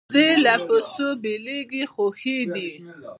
وزې له پسه بېلېږي خو ښې دي